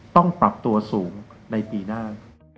ต้องปรับตัวสูงในปีหน้า